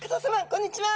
こんにちは。